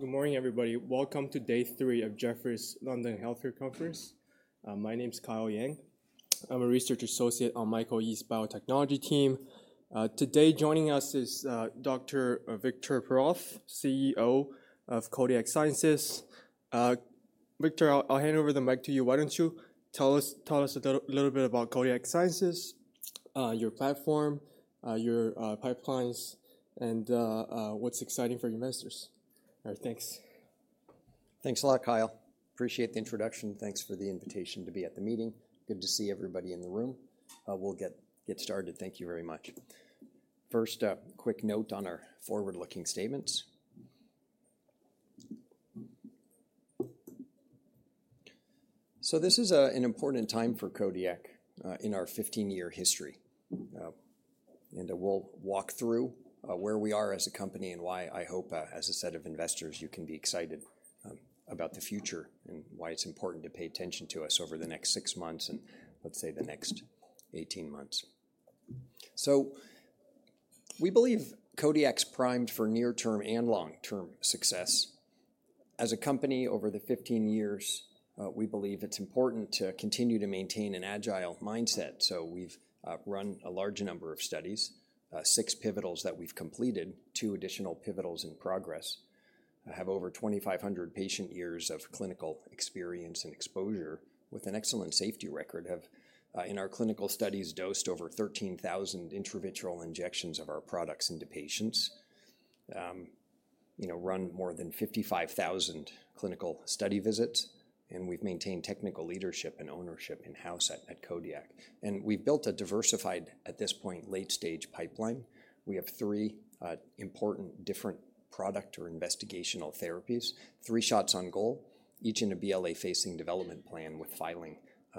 Good morning, everybody. Welcome to day three of Jefferies' London Healthcare Conference. My name is Kyle Yang. I'm a Research Associate on Michael Yee's biotechnology team. Today, joining us is Dr. Victor Perlroth, CEO of Kodiak Sciences. Victor, I'll hand over the mic to you. Why don't you tell us a little bit about Kodiak Sciences, your platform, your pipelines, and what's exciting for investors? All right, thanks. Thanks a lot, Kyle. Appreciate the introduction. Thanks for the invitation to be at the meeting. Good to see everybody in the room. We'll get started. Thank you very much. First, a quick note on our forward-looking statements, so this is an important time for Kodiak in our 15-year history, and we'll walk through where we are as a company and why I hope, as a set of investors, you can be excited about the future and why it's important to pay attention to us over the next six months and, let's say, the next 18 months, so we believe Kodiak's primed for near-term and long-term success. As a company, over the 15 years, we believe it's important to continue to maintain an agile mindset. We've run a large number of studies: six pivotals that we've completed, two additional pivotals in progress, have over 2,500 patient years of clinical experience and exposure, with an excellent safety record. In our clinical studies, we've dosed over 13,000 intravitreal injections of our products into patients, run more than 55,000 clinical study visits, and we've maintained technical leadership and ownership in-house at Kodiak. And we've built a diversified, at this point, late-stage pipeline. We have three important different product or investigational therapies: three shots on goal, each in a BLA-facing development plan with filing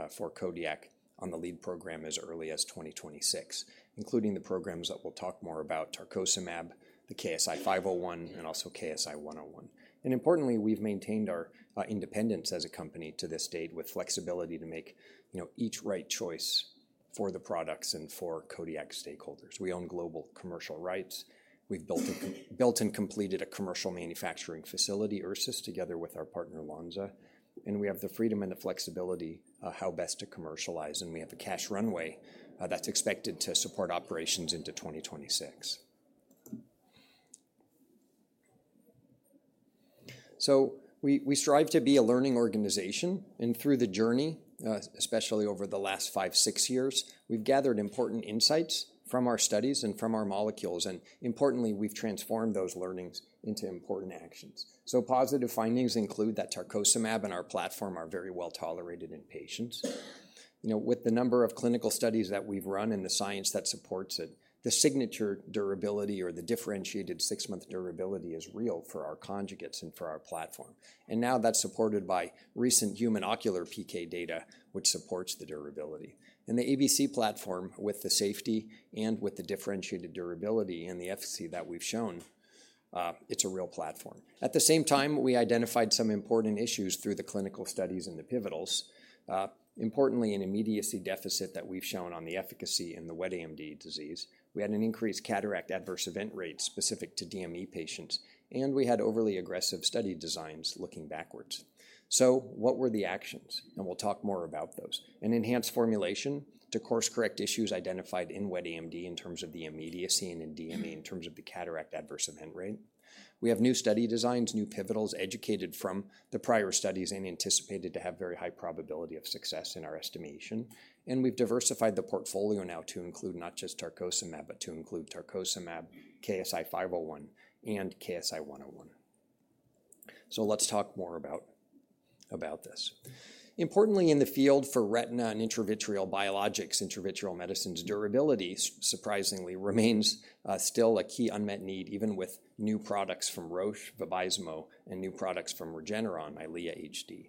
for Kodiak on the lead program as early as 2026, including the programs that we'll talk more about: tarcocimab, the KSI-501, and also KSI-101. And importantly, we've maintained our independence as a company to this date, with flexibility to make each right choice for the products and for Kodiak stakeholders. We own global commercial rights. We've built and completed a commercial manufacturing facility, Ursus, together with our partner, Lonza, and we have the freedom and the flexibility of how best to commercialize, and we have a cash runway that's expected to support operations into 2026, so we strive to be a learning organization. And through the journey, especially over the last five, six years, we've gathered important insights from our studies and from our molecules, and importantly, we've transformed those learnings into important actions, so positive findings include that tarcocimab and our platform are very well tolerated in patients. With the number of clinical studies that we've run and the science that supports it, the signature durability or the differentiated six-month durability is real for our conjugates and for our platform, and now that's supported by recent human ocular PK data, which supports the durability. The ABC Platform, with the safety and with the differentiated durability and the efficacy that we've shown, it's a real platform. At the same time, we identified some important issues through the clinical studies and the pivotals. Importantly, an immediacy deficit that we've shown on the efficacy in the wet AMD disease. We had an increased cataract adverse event rate specific to DME patients. We had overly aggressive study designs looking backwards. What were the actions? We'll talk more about those. An enhanced formulation to course-correct issues identified in wet AMD in terms of the immediacy and in DME in terms of the cataract adverse event rate. We have new study designs, new pivotals educated from the prior studies and anticipated to have very high probability of success in our estimation. We've diversified the portfolio now to include not just tarcocimab, but to include tarcocimab, KSI-501, and KSI-101. So let's talk more about this. Importantly, in the field for retina and intravitreal biologics, intravitreal medicines' durability, surprisingly, remains still a key unmet need, even with new products from Roche, Vabysmo, and new products from Regeneron, EYLEA HD.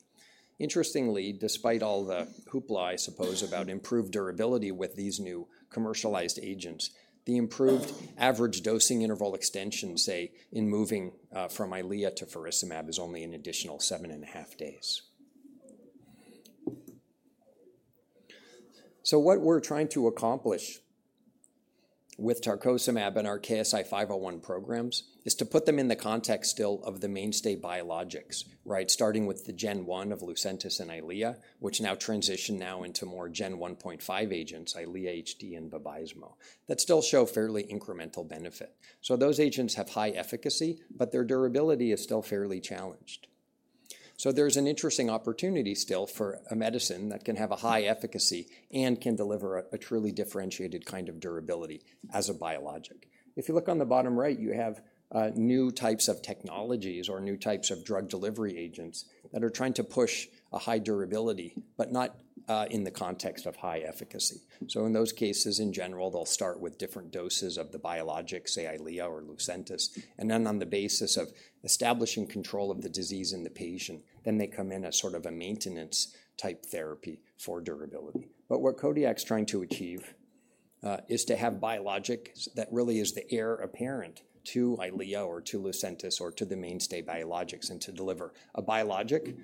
Interestingly, despite all the hoopla, I suppose, about improved durability with these new commercialized agents, the improved average dosing interval extension, say, in moving from EYLEA to faricimab is only an additional seven and a half days. So what we're trying to accomplish with tarcocimab and our KSI-501 programs is to put them in the context still of the mainstay biologics, right, starting with the Gen 1 of LUCENTIS and EYLEA, which now transition now into more Gen 1.5 agents, EYLEA HD and Vabysmo, that still show fairly incremental benefit. So those agents have high efficacy, but their durability is still fairly challenged. So there's an interesting opportunity still for a medicine that can have a high efficacy and can deliver a truly differentiated kind of durability as a biologic. If you look on the bottom right, you have new types of technologies or new types of drug delivery agents that are trying to push a high durability, but not in the context of high efficacy. So in those cases, in general, they'll start with different doses of the biologics, say, EYLEA or LUCENTIS, and then on the basis of establishing control of the disease in the patient, then they come in as sort of a maintenance-type therapy for durability. But what Kodiak's trying to achieve is to have biologics that really is the heir apparent to EYLEA or to LUCENTIS or to the mainstay biologics and to deliver a biologic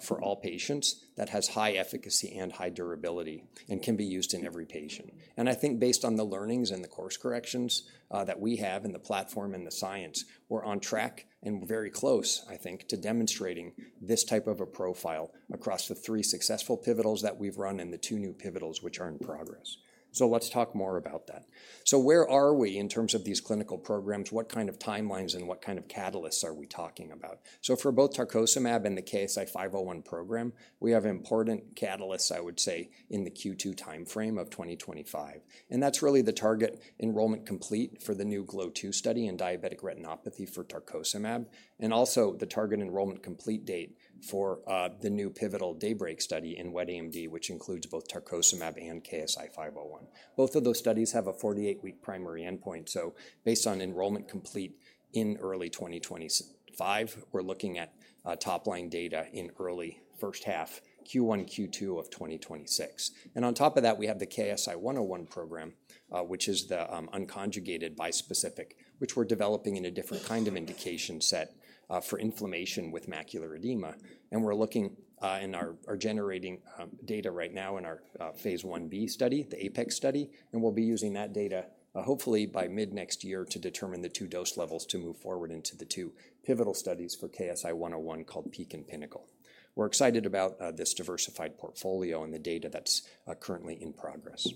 for all patients that has high efficacy and high durability and can be used in every patient. And I think based on the learnings and the course corrections that we have and the platform and the science, we're on track and very close, I think, to demonstrating this type of a profile across the three successful pivotals that we've run and the two new pivotals which are in progress. So let's talk more about that. So where are we in terms of these clinical programs? What kind of timelines and what kind of catalysts are we talking about? So for both tarcocimab and the KSI-501 program, we have important catalysts, I would say, in the Q2 timeframe of 2025. And that's really the target enrollment complete for the new GLOW2 study in diabetic retinopathy for tarcocimab, and also the target enrollment complete date for the new pivotal DAYBREAK study in wet AMD, which includes both tarcocimab and KSI-501. Both of those studies have a 48-week primary endpoint. So based on enrollment complete in early 2025, we're looking at top-line data in early first half, Q1, Q2 of 2026. And on top of that, we have the KSI-101 program, which is the unconjugated bispecific, which we're developing in a different kind of indication set for inflammation with macular edema. And we're looking and are generating data right now in our phase I-B study, the APEX study. And we'll be using that data, hopefully, by mid-next year to determine the two dose levels to move forward into the two pivotal studies for KSI-101 called PEAK and PINNACLE. We're excited about this diversified portfolio and the data that's currently in progress,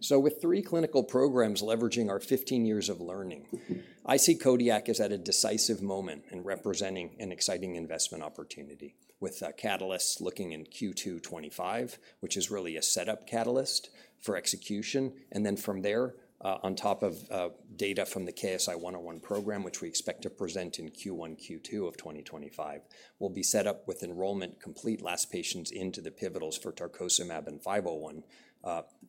so with three clinical programs leveraging our 15 years of learning, I see Kodiak as at a decisive moment in representing an exciting investment opportunity with catalysts looking in Q2 2025, which is really a setup catalyst for execution, and then from there, on top of data from the KSI-101 program, which we expect to present in Q1, Q2 of 2025, we'll be set up with enrollment complete, last patients into the pivotals for tarcocimab and 501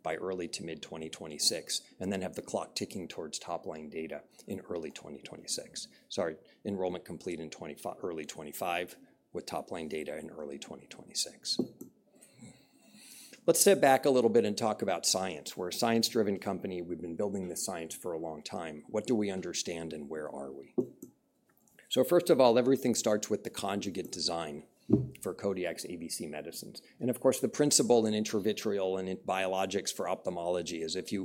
by early to mid-2026, and then have the clock ticking towards top-line data in early 2026. Sorry, enrollment complete in early 2025 with top-line data in early 2026. Let's step back a little bit and talk about science. We're a science-driven company. We've been building this science for a long time. What do we understand and where are we? So first of all, everything starts with the conjugate design for Kodiak's ABC Medicines. And of course, the principle in intravitreal and biologics for ophthalmology is that the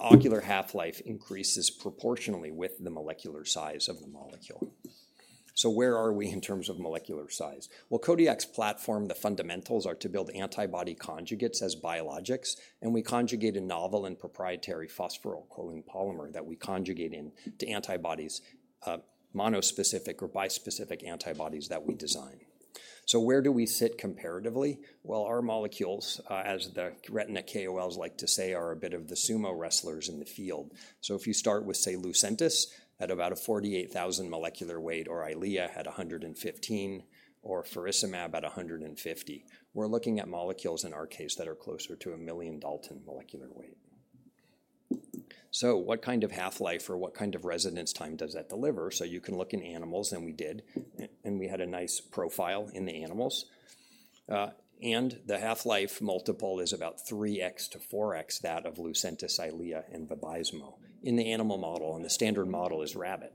ocular half-life increases proportionally with the molecular size of the molecule. So where are we in terms of molecular size? Well, Kodiak's platform, the fundamentals are to build antibody conjugates as biologics. And we conjugate a novel and proprietary phosphorylcholine polymer that we conjugate into antibodies, monospecific or bispecific antibodies that we design. So where do we sit comparatively? Well, our molecules, as the retina KOLs like to say, are a bit of the sumo wrestlers in the field. So if you start with, say, LUCENTIS at about a 48,000 molecular weight or EYLEA at 115 or faricimab at 150, we're looking at molecules in our case that are closer to a million dalton molecular weight. So what kind of half-life or what kind of residence time does that deliver? So you can look in animals, and we did, and we had a nice profile in the animals. And the half-life multiple is about 3x to 4x that of LUCENTIS, EYLEA, and Vabysmo in the animal model. And the standard model is rabbit.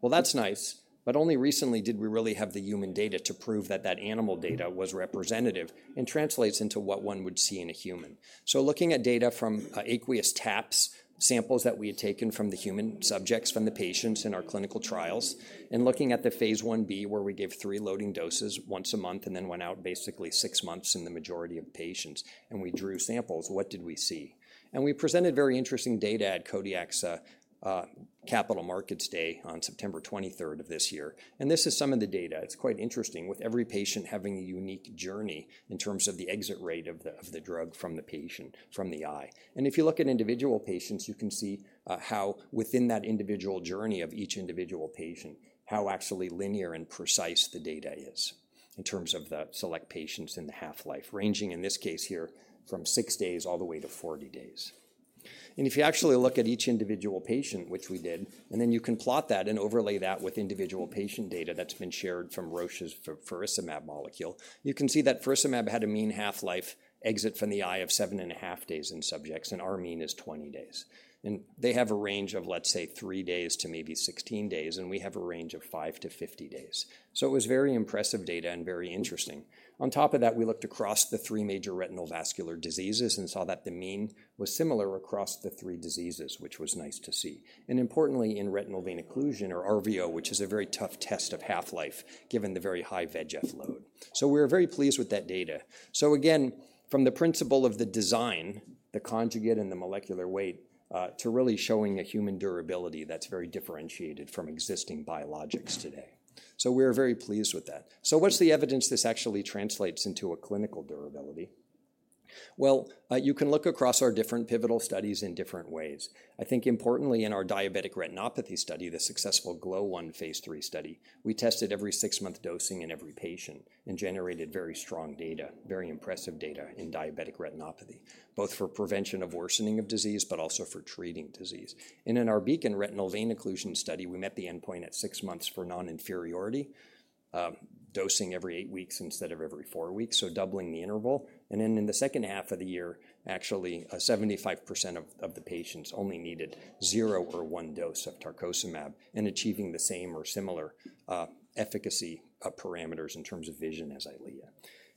Well, that's nice. But only recently did we really have the human data to prove that that animal data was representative and translates into what one would see in a human. So looking at data from aqueous taps, samples that we had taken from the human subjects, from the patients in our clinical trials, and looking at the phase I-B where we gave three loading doses once a month and then went out basically six months in the majority of patients, and we drew samples, what did we see? We presented very interesting data at Kodiak's Capital Markets Day on September 23rd of this year. This is some of the data. It's quite interesting with every patient having a unique journey in terms of the exit rate of the drug from the patient, from the eye. If you look at individual patients, you can see how within that individual journey of each individual patient, how actually linear and precise the data is in terms of the select patients and the half-life, ranging in this case here from six days all the way to 40 days. And if you actually look at each individual patient, which we did, and then you can plot that and overlay that with individual patient data that's been shared from Roche's faricimab molecule, you can see that faricimab had a mean half-life exit from the eye of seven and a half days in subjects, and our mean is 20 days. And they have a range of, let's say, three days to maybe 16 days, and we have a range of 5-50 days. So it was very impressive data and very interesting. On top of that, we looked across the three major retinal vascular diseases and saw that the mean was similar across the three diseases, which was nice to see. And importantly, in retinal vein occlusion or RVO, which is a very tough test of half-life given the very high VEGF load. We were very pleased with that data. So again, from the principle of the design, the conjugate and the molecular weight, to really showing a human durability that's very differentiated from existing biologics today. So we were very pleased with that. So what's the evidence this actually translates into a clinical durability? Well, you can look across our different pivotal studies in different ways. I think importantly, in our diabetic retinopathy study, the successful GLOW1 phase III study, we tested every six-month dosing in every patient and generated very strong data, very impressive data in diabetic retinopathy, both for prevention of worsening of disease, but also for treating disease. And in our BEACON retinal vein occlusion study, we met the endpoint at six months for non-inferiority, dosing every eight weeks instead of every four weeks, so doubling the interval. And then in the second half of the year, actually, 75% of the patients only needed zero or one dose of tarcocimab and achieving the same or similar efficacy parameters in terms of vision as EYLEA.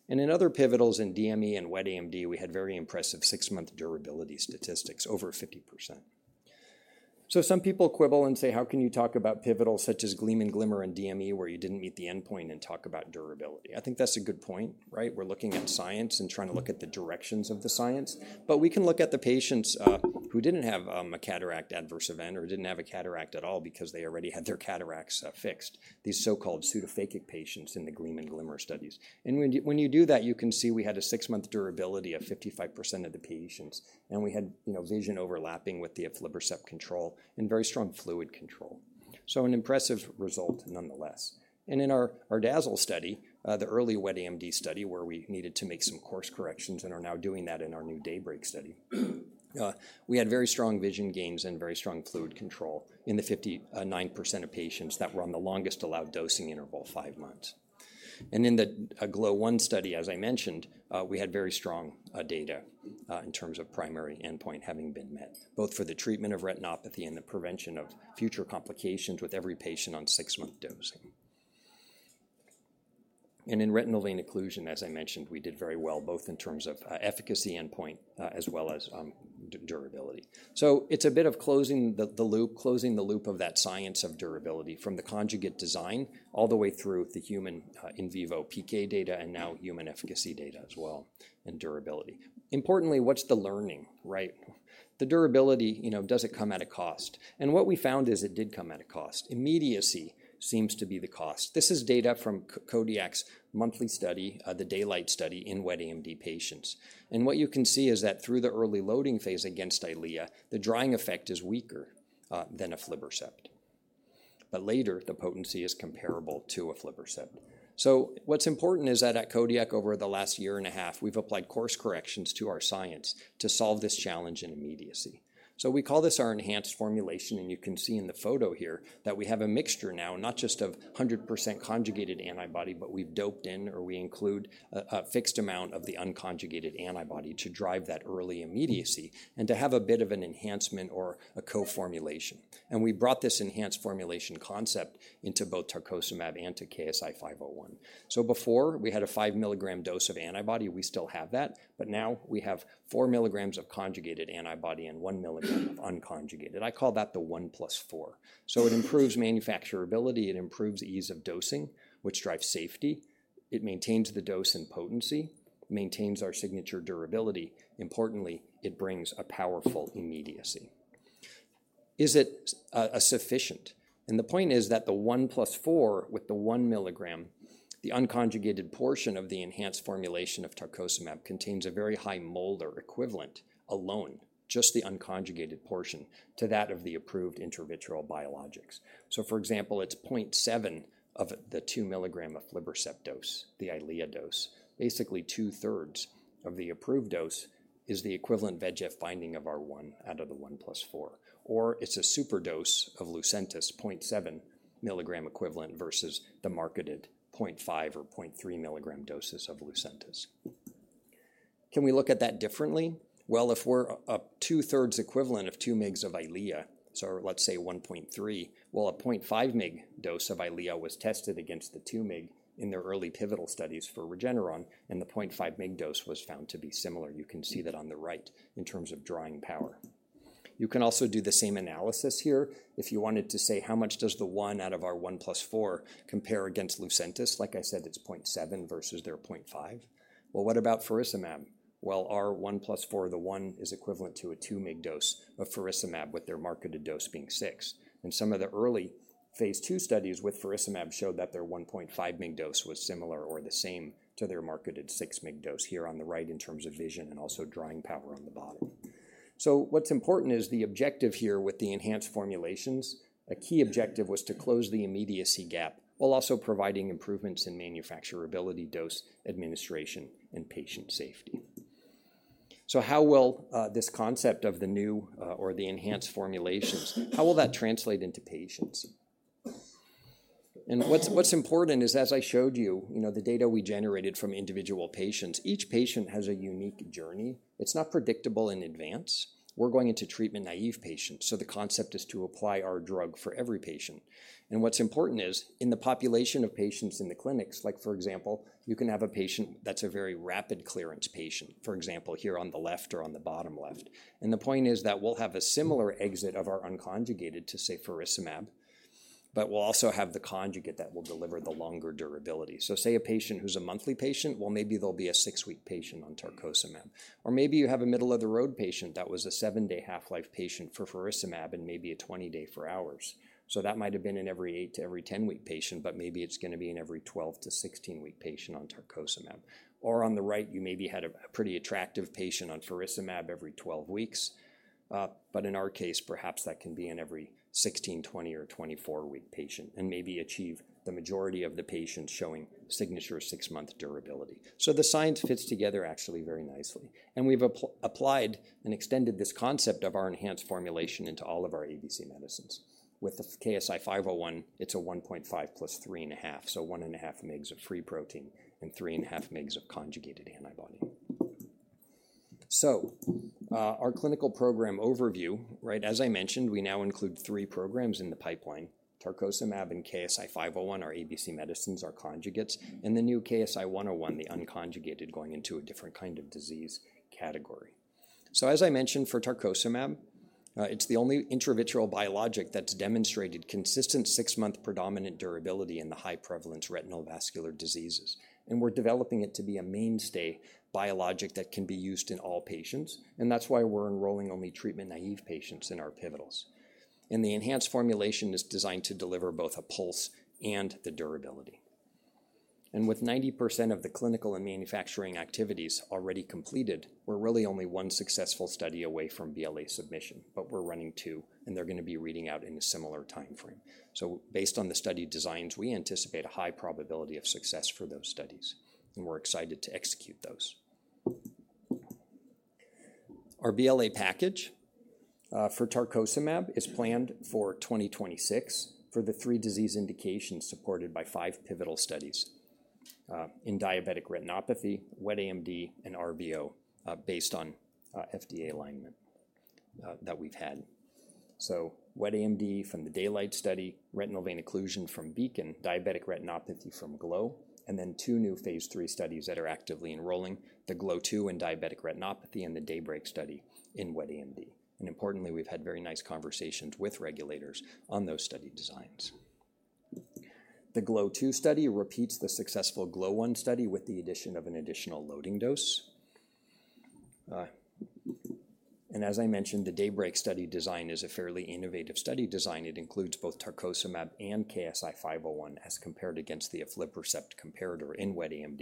And in other pivotals in DME and wet AMD, we had very impressive six-month durability statistics, over 50%. So some people quibble and say, how can you talk about pivotals such as GLEAM and GLIMMER in DME where you didn't meet the endpoint and talk about durability? I think that's a good point, right? We're looking at science and trying to look at the directions of the science. But we can look at the patients who didn't have a cataract adverse event or didn't have a cataract at all because they already had their cataracts fixed, these so-called pseudophakic patients in the GLEAM and GLIMMER studies. And when you do that, you can see we had a six-month durability of 55% of the patients, and we had vision overlapping with the aflibercept control and very strong fluid control. So an impressive result nonetheless. And in our DAZZLE study, the early wet AMD study where we needed to make some course corrections and are now doing that in our new DAYBREAK study, we had very strong vision gains and very strong fluid control in the 59% of patients that were on the longest allowed dosing interval, five months. And in the GLOW1 study, as I mentioned, we had very strong data in terms of primary endpoint having been met, both for the treatment of retinopathy and the prevention of future complications with every patient on six-month dosing. In retinal vein occlusion, as I mentioned, we did very well both in terms of efficacy endpoint as well as durability. It's a bit of closing the loop, closing the loop of that science of durability from the conjugate design all the way through the human in-vivo PK data and now human efficacy data as well and durability. Importantly, what's the learning, right? The durability, you know, does it come at a cost? What we found is it did come at a cost. Immediacy seems to be the cost. This is data from Kodiak's monthly study, the DAYLIGHT study in wet AMD patients. What you can see is that through the early loading phase against EYLEA, the drying effect is weaker than aflibercept. Later, the potency is comparable to aflibercept. What's important is that at Kodiak over the last year and a half, we've applied course corrections to our science to solve this challenge in immediacy. We call this our enhanced formulation. You can see in the photo here that we have a mixture now, not just of 100% conjugated antibody, but we've doped in or we include a fixed amount of the unconjugated antibody to drive that early immediacy and to have a bit of an enhancement or a co-formulation. We brought this enhanced formulation concept into both tarcocimab and to KSI-501. Before, we had a 5 mg dose of antibody. We still have that. Now we have 4 mg of conjugated antibody and 1 mg of unconjugated. I call that the 1 plus 4. It improves manufacturability. It improves ease of dosing, which drives safety. It maintains the dose and potency, maintains our signature durability. Importantly, it brings a powerful immediacy. Is it sufficient, and the point is that the 1 plus 4 with the 1 mg, the unconjugated portion of the enhanced formulation of tarcocimab contains a very high molar equivalent alone, just the unconjugated portion, to that of the approved intravitreal biologics. So for example, it's 0.7 mg of the 2 mg aflibercept dose, the EYLEA dose. Basically, 2/3 of the approved dose is the equivalent VEGF binding of R1 out of the 1 plus 4, or it's a superdose of LUCENTIS, 0.7 mg equivalent versus the marketed 0.5 mg or 0.3 mg doses of LUCENTIS. Can we look at that differently? If we're a 2/3 equivalent of 2 mg of EYLEA, so let's say 1.3 mg. Well, a 0.5 mg dose of EYLEA was tested against the 2 mg in their early pivotal studies for Regeneron, and the 0.5 mg dose was found to be similar. You can see that on the right in terms of drawing power. You can also do the same analysis here. If you wanted to say, how much does the 1 out of our 1 plus 4 compare against LUCENTIS? Like I said, it's 0.7 mg versus their 0.5 mg. What about faricimab? Our 1 plus 4, the 1 is equivalent to a 2 mg dose of faricimab with their marketed dose being 6 mg. Some of the early phase II studies with faricimab showed that their 1.5 mg dose was similar or the same to their marketed 6 mg dose here on the right in terms of vision and also drawing power on the bottom. What's important is the objective here with the enhanced formulations. A key objective was to close the immediacy gap while also providing improvements in manufacturability, dose administration, and patient safety. How will this concept of the new or the enhanced formulations, how will that translate into patients? What's important is, as I showed you, you know, the data we generated from individual patients, each patient has a unique journey. It's not predictable in advance. We're going into treatment-naive patients. The concept is to apply our drug for every patient. And what's important is in the population of patients in the clinics, like for example, you can have a patient that's a very rapid clearance patient, for example, here on the left or on the bottom left. And the point is that we'll have a similar exit of our unconjugated to, say, faricimab, but we'll also have the conjugate that will deliver the longer durability. So say a patient who's a monthly patient, well, maybe there'll be a six-week patient on tarcocimab. Or maybe you have a middle-of-the-road patient that was a seven-day half-life patient for faricimab and maybe a 20-day for ours. So that might have been an every 8 to every 10-week patient, but maybe it's going to be an every 12 to 16-week patient on tarcocimab. Or on the right, you maybe had a pretty attractive patient on faricimab every 12 weeks. But in our case, perhaps that can be an every 16, 20, or 24-week patient and maybe achieve the majority of the patients showing signature six-month durability. So the science fits together actually very nicely. And we've applied and extended this concept of our enhanced formulation into all of our ABC Medicines. With the KSI-501, it's a 1.5 plus 3.5, so 1.5 mg of free protein and 3.5 mg of conjugated antibody. So our clinical program overview, right, as I mentioned, we now include three programs in the pipeline, tarcocimab and KSI-501, our ABC Medicines, our conjugates, and the new KSI-101, the unconjugated going into a different kind of disease category. So as I mentioned, for tarcocimab, it's the only intravitreal biologic that's demonstrated consistent six-month predominant durability in the high prevalence retinal vascular diseases. We're developing it to be a mainstay biologic that can be used in all patients. That's why we're enrolling only treatment-naive patients in our pivotals. The enhanced formulation is designed to deliver both a pulse and the durability. With 90% of the clinical and manufacturing activities already completed, we're really only one successful study away from BLA submission, but we're running two, and they're going to be reading out in a similar timeframe. Based on the study designs, we anticipate a high probability of success for those studies. We're excited to execute those. Our BLA package for tarcocimab is planned for 2026 for the three disease indications supported by five pivotal studies in diabetic retinopathy, wet AMD, and RVO based on FDA alignment that we've had. Wet AMD from the DAYLIGHT study, retinal vein occlusion from BEACON, diabetic retinopathy from GLOW, and then two new phase III studies that are actively enrolling, the GLOW2 in diabetic retinopathy and the DAYBREAK study in wet AMD. Importantly, we have had very nice conversations with regulators on those study designs. The GLOW2 study repeats the successful GLOW1 study with the addition of an additional loading dose. As I mentioned, the DAYBREAK study design is a fairly innovative study design. It includes both tarcocimab and KSI-501 as compared against the aflibercept comparator in wet AMD.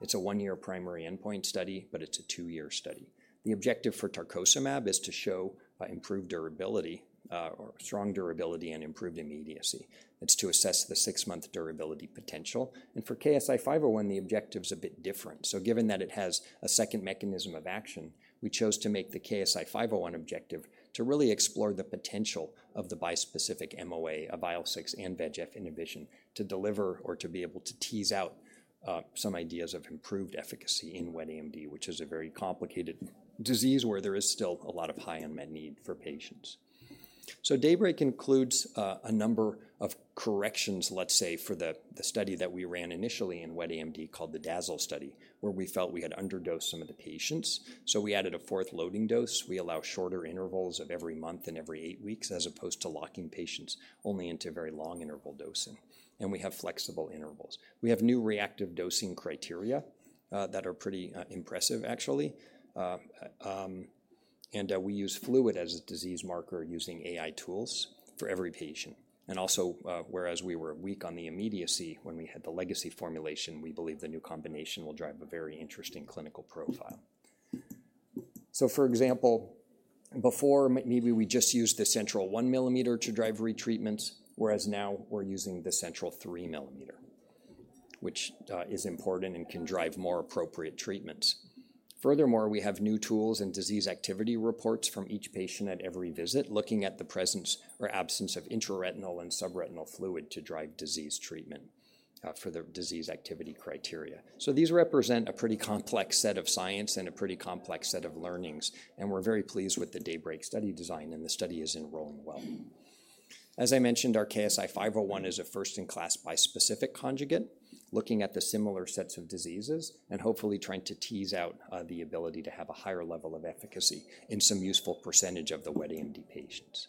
It is a one-year primary endpoint study, but it is a two-year study. The objective for tarcocimab is to show improved durability or strong durability and improved immediacy. It is to assess the six-month durability potential. For KSI-501, the objective is a bit different. So given that it has a second mechanism of action, we chose to make the KSI-501 objective to really explore the potential of the bispecific MOA, IL-6 and VEGF inhibition to deliver or to be able to tease out some ideas of improved efficacy in wet AMD, which is a very complicated disease where there is still a lot of high unmet need for patients. So DAYBREAK includes a number of corrections, let's say, for the study that we ran initially in wet AMD called the DAZZLE study, where we felt we had underdosed some of the patients. So we added a fourth loading dose. We allow shorter intervals of every month and every eight weeks as opposed to locking patients only into very long interval dosing. And we have flexible intervals. We have new reactive dosing criteria that are pretty impressive, actually. And we use fluid as a disease marker using AI tools for every patient. And also, whereas we were weak on the immediacy when we had the legacy formulation, we believe the new combination will drive a very interesting clinical profile. So for example, before, maybe we just used the central 1 mm to drive retreatments, whereas now we're using the central 3 mm, which is important and can drive more appropriate treatments. Furthermore, we have new tools and disease activity reports from each patient at every visit looking at the presence or absence of intraretinal and subretinal fluid to drive disease treatment for the disease activity criteria. So these represent a pretty complex set of science and a pretty complex set of learnings. And we're very pleased with the DAYBREAK study design, and the study is enrolling well. As I mentioned, our KSI-501 is a first-in-class bispecific conjugate, looking at the similar sets of diseases and hopefully trying to tease out the ability to have a higher level of efficacy in some useful percentage of the wet AMD patients.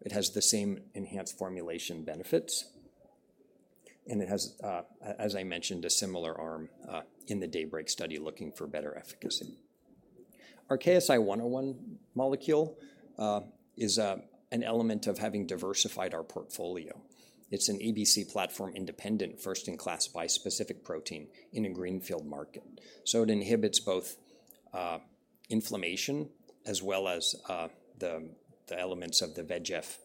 It has the same enhanced formulation benefits, and it has, as I mentioned, a similar arm in the DAYBREAK study looking for better efficacy. Our KSI-101 molecule is an element of having diversified our portfolio. It's an ABC Platform-independent first-in-class bispecific protein in a greenfield market, so it inhibits both inflammation as well as the elements of the VEGF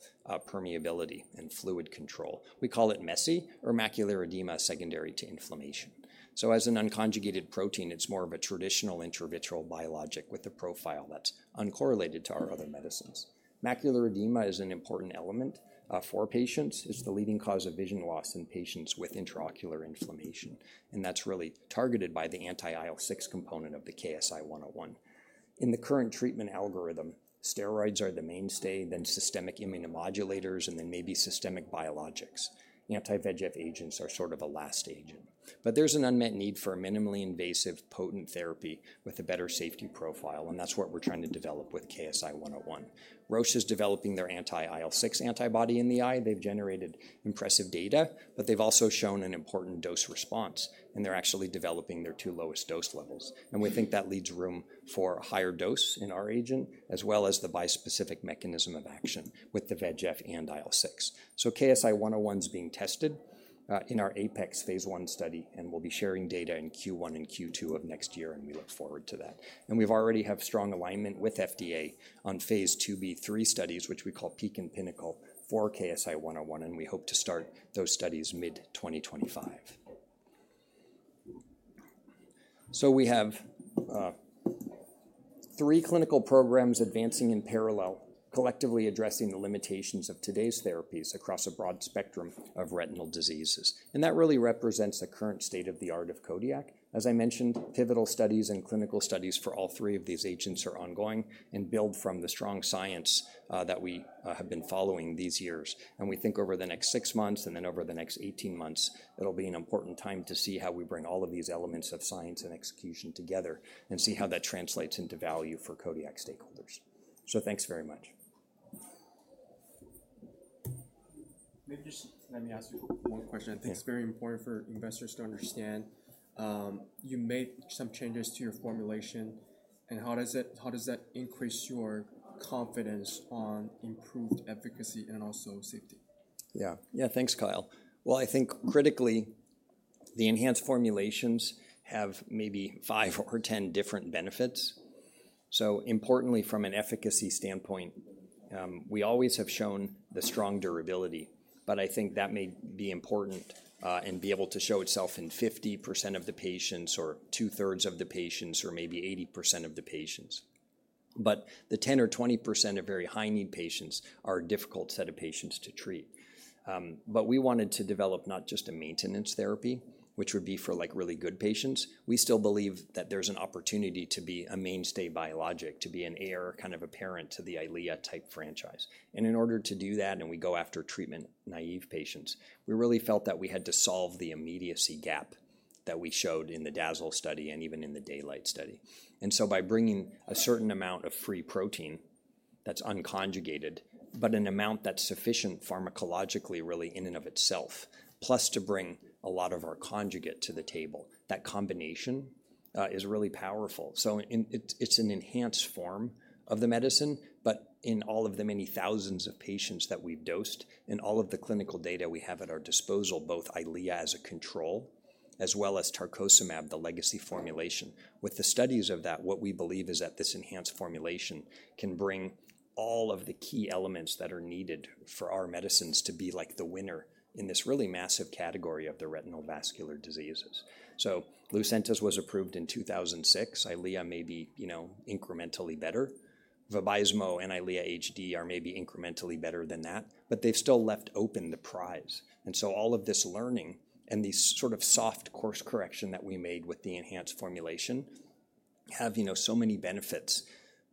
permeability and fluid control. We call it MESI or macular edema secondary to inflammation, so as an unconjugated protein, it's more of a traditional intravitreal biologic with a profile that's uncorrelated to our other medicines. Macular edema is an important element for patients. It's the leading cause of vision loss in patients with intraocular inflammation. And that's really targeted by the anti-IL-6 component of the KSI-101. In the current treatment algorithm, steroids are the mainstay, then systemic immunomodulators, and then maybe systemic biologics. Anti-VEGF agents are sort of a last agent. But there's an unmet need for a minimally invasive potent therapy with a better safety profile. And that's what we're trying to develop with KSI-101. Roche is developing their anti-IL-6 antibody in the eye. They've generated impressive data, but they've also shown an important dose response. And they're actually developing their two lowest dose levels. And we think that leaves room for a higher dose in our agent as well as the bispecific mechanism of action with the VEGF and IL-6. So KSI-101 is being tested in our APEX phase I study. We'll be sharing data in Q1 and Q2 of next year. We look forward to that. We already have strong alignment with FDA on phase II-B/III studies, which we call PEAK and PINNACLE for KSI-101. We hope to start those studies mid-2025. We have three clinical programs advancing in parallel, collectively addressing the limitations of today's therapies across a broad spectrum of retinal diseases. That really represents the current state of the art of Kodiak. As I mentioned, pivotal studies and clinical studies for all three of these agents are ongoing and build from the strong science that we have been following these years. We think over the next six months and then over the next 18 months, it will be an important time to see how we bring all of these elements of science and execution together and see how that translates into value for Kodiak stakeholders, so thanks very much. Maybe just let me ask you one question. I think it's very important for investors to understand. You made some changes to your formulation. And how does that increase your confidence on improved efficacy and also safety? Yeah. Yeah, thanks, Kyle. Well, I think critically, the enhanced formulations have maybe five or 10 different benefits. So importantly, from an efficacy standpoint, we always have shown the strong durability. But I think that may be important and be able to show itself in 50% of the patients or 2/3 of the patients or maybe 80% of the patients. But the 10%-20% of very high-need patients are a difficult set of patients to treat. But we wanted to develop not just a maintenance therapy, which would be for like really good patients. We still believe that there's an opportunity to be a mainstay biologic, to be an heir kind of a parent to the EYLEA type franchise. In order to do that, we go after treatment naive patients. We really felt that we had to solve the immediacy gap that we showed in the DAZZLE study and even in the DAYLIGHT study. By bringing a certain amount of free protein that's unconjugated, but an amount that's sufficient pharmacologically really in and of itself, plus to bring a lot of our conjugate to the table, that combination is really powerful. It's an enhanced form of the medicine, but in all of the many thousands of patients that we've dosed and all of the clinical data we have at our disposal, both EYLEA as a control as well as tarcocimab, the legacy formulation. With the studies of that, what we believe is that this enhanced formulation can bring all of the key elements that are needed for our medicines to be like the winner in this really massive category of the retinal vascular diseases. So LUCENTIS was approved in 2006. EYLEA may be, you know, incrementally better. Vabysmo and EYLEA HD are maybe incrementally better than that, but they've still left open the prize. And so all of this learning and these sort of soft course correction that we made with the enhanced formulation have, you know, so many benefits.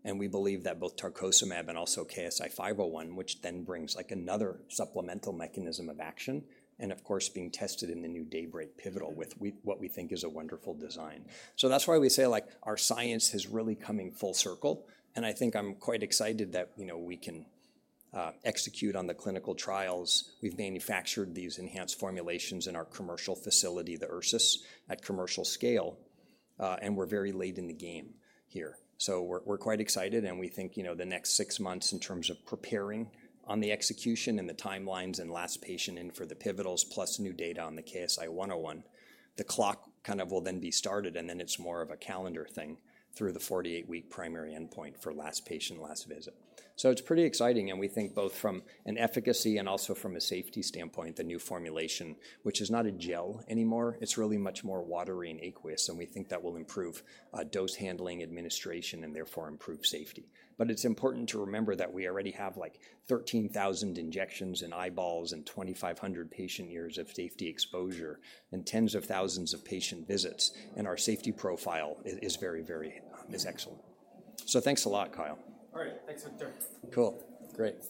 And we believe that both tarcocimab and also KSI-501, which then brings like another supplemental mechanism of action and, of course, being tested in the new DAYBREAK pivotal with what we think is a wonderful design. So that's why we say like our science is really coming full circle. And I think I'm quite excited that, you know, we can execute on the clinical trials. We've manufactured these enhanced formulations in our commercial facility, the Ursus, at commercial scale. And we're very late in the game here. So we're quite excited. And we think, you know, the next six months in terms of preparing on the execution and the timelines and last patient in for the pivotals, plus new data on the KSI-101, the clock kind of will then be started. And then it's more of a calendar thing through the 48-week primary endpoint for last patient, last visit. So it's pretty exciting. And we think both from an efficacy and also from a safety standpoint, the new formulation, which is not a gel anymore, it's really much more watery and aqueous. And we think that will improve dose handling, administration, and therefore improve safety. But it's important to remember that we already have like 13,000 injections in eyeballs and 2,500 patient years of safety exposure and tens of thousands of patient visits. And our safety profile is very, very excellent. So thanks a lot, Kyle. Cool. Great.